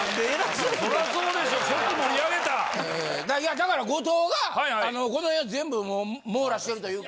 だから後藤がこの辺を全部網羅してるというか。